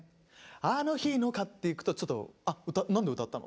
「あの日の」っていくとちょっと何で歌ったの？